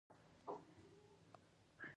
ژاوله ژوول ځینې وخت له عادت نه زیاتېږي.